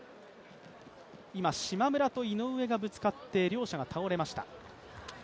今、島村と井上がぶつかって両者が倒れました。